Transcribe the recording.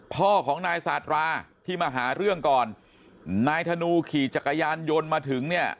พ่อของนายสาธาราที่มาหาเรื่องก่อนนายธนูขี่จักรยานยนต์มาถึงเนี่ย